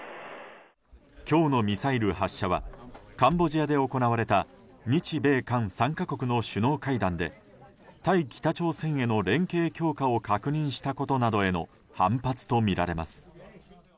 今日のミサイル発射はカンボジアで行われた日米韓３か国の首脳会談で対北朝鮮への連携強化を確認したことなどへの反発とみられます。